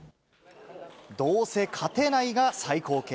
どうせ勝てないが最高形。